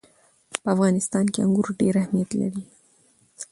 په افغانستان کې انګور ډېر اهمیت لري.